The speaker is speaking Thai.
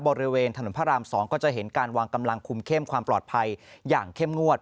บริเวณถนนพระราม๒ก็จะเห็นการวางกำลังคุมเข้มความปลอดภัยอย่างเข้มงวด